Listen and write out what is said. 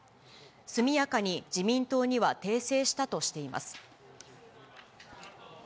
速やかに自民党には訂正したとしています。